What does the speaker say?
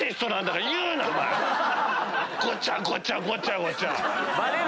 ごちゃごちゃごちゃごちゃ！